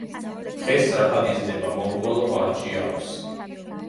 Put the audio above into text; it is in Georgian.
ხე სწრაფად იზრდება, მომრგვალო ვარჯი აქვს.